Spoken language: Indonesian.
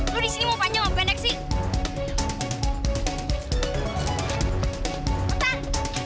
lo disini mau panjang mau pendek sih